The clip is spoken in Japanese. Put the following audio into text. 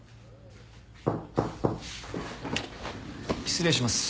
失礼します。